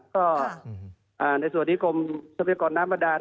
ก็ในสวัสดีกรมทรัพยากรน้ำประดาน